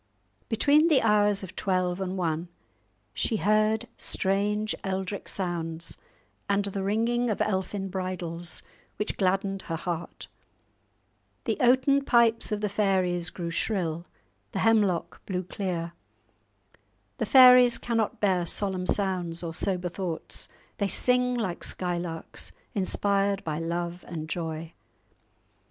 Between the hours of twelve and one she heard strange eldrich sounds and the ringing of elfin bridles, which gladdened her heart. The oaten pipes of the faires grew shrill, the hemlock blew clear. The fairies cannot bear solemn sounds or sober thoughts; they sing like skylarks, inspired by love and joy.